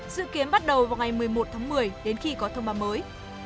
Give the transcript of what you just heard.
dự kiến bắt đầu vào ngày một mươi một tháng một mươi đến khi có thông báo mới